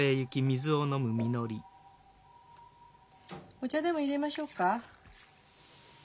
お茶でもいれましょうか？